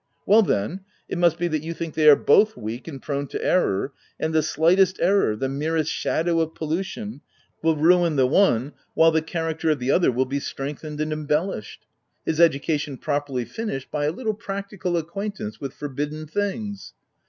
"Well then, it must be that you think they are both weak and prone to err, and the slightest error, the merest shadow of polution will ruin the one, while the character of the other will be strengthened and embellished — his education properly finished by a little practical acquaint ance with forbidden things.